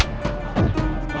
aku mau ke kanjeng itu